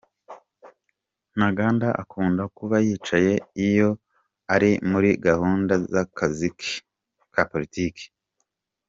Ntaganda akunda kuba yicaye iyo ari muri gahunda z’akazi ke ka politiki .